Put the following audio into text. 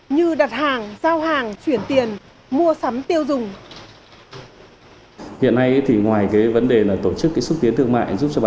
như đặt hàng giao hàng chuyển tiền mua sắm tiêu dùng